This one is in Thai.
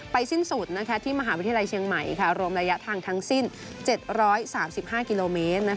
สิ้นสุดที่มหาวิทยาลัยเชียงใหม่รวมระยะทางทั้งสิ้น๗๓๕กิโลเมตร